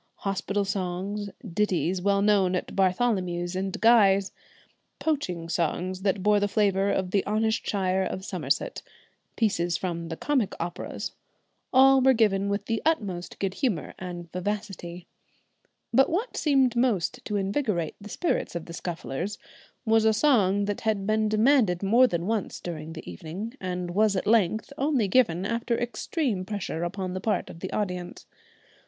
Hospital songs, ditties well known at Bartholomew's and Guy's; poaching songs that bore the flavour of the honest shire of Somerset; pieces from the comic operas; all were given with the utmost good humour and vivacity. But what seemed most to invigorate the spirits of the Scufflers was a song that had been demanded more than once during the evening and was at length only given after extreme pressure upon the part of the audience.